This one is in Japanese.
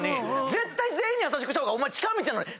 絶対全員に優しくした方が近道なのに。